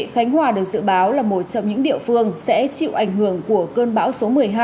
khánh hòa được dự báo là một trong những địa phương sẽ chịu ảnh hưởng của cơn bão số một mươi hai